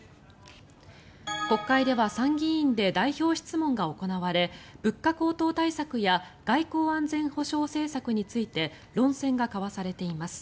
国会では参議院で代表質問が行われ物価高騰対策や外交・安全保障政策について論戦が交わされています。